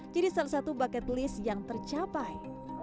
jadi salah satu bucket list yang tercapai